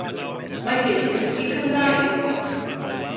Mae wedi dysgu Cymraeg.